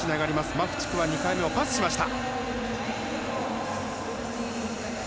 マフチフは２回目をパスしました。